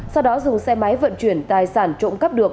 sau đó dùng xe máy vận chuyển tài sản trộm cắp được